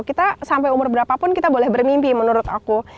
kita sampai umur berapa pun kita boleh bermimpi menurut aku